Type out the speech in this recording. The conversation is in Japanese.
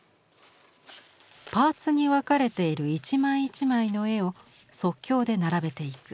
パーツに分かれている一枚一枚の絵を即興で並べていく。